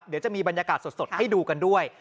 เดี๋ยวจะมีบรรยากาศสดให้ดูกันด้วย